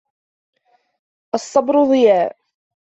الصَّبْرُ ضِيَاءٌ